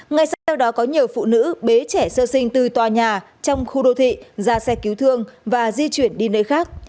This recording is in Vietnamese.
ngay sau đó có nhiều phụ nữ bế trẻ sơ sinh từ tòa nhà trong khu đô thị ra xe cứu thương và di chuyển đi nơi khác